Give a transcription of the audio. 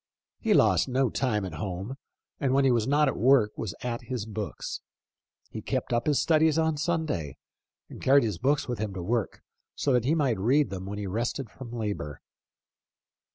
He lost no time at home, and when he was not at work was at his books. He kept up his studies on Sunday, and carried his books with him to work, so that he might read when he rested from labor."